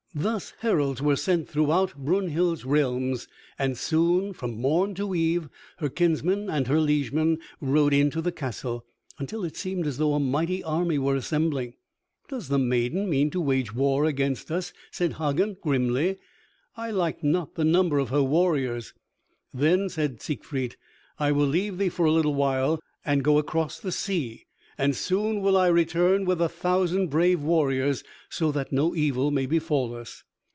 Thus heralds were sent throughout Brunhild's realms, and soon from morn to eve her kinsmen and her liegemen rode into the castle, until it seemed as though a mighty army were assembling. "Does the maiden mean to wage war against us," said Hagen grimly. "I like not the number of her warriors." Then said Siegfried, "I will leave thee for a little while and go across the sea, and soon will I return with a thousand brave warriors, so that no evil may befall us."